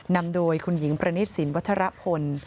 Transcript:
นำโดยคุณหญิงประนิตสินวัชรพล